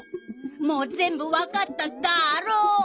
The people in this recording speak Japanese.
もう全部わかったダロ！